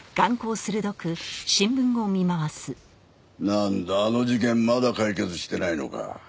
なんだあの事件まだ解決してないのか。